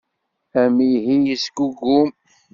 Amihi yesgugum.